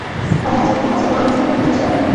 থানরাজ, মনে আছে ও আমার ছেলেকে কীভাবে মেরেছিল?